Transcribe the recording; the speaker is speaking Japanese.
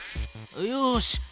よし。